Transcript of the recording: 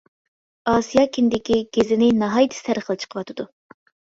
‹ ‹ئاسىيا كىندىكى› › گېزىنى ناھايىتى سەرخىل چىقىۋاتىدۇ.